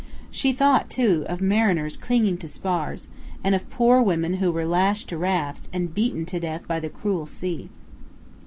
She thought, too, of mariners clinging to spars, and of poor women who were lashed to rafts, and beaten to death by the cruel sea.